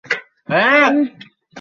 এটি দুই ধরনের হতে পারে।